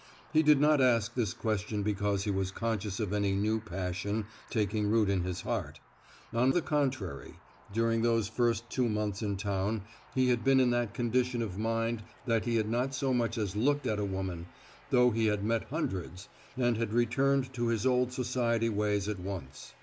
He did not ask this question because he was conscious of any new passion taking root in his heart; on the contrary, during those first two months in town he had been in that condition of mind that he had not so much as looked at a woman, though he had met hundreds, and had returned to his old society ways at once.